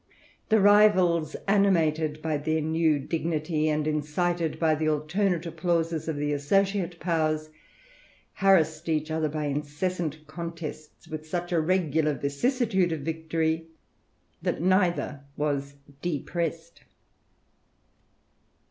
The rivals, animated by their new dignity, and incited by the alternate applauses of the associate powers, harassed each other by incessant contests, with such a regular vicissi tude of victory, that neither was depressed.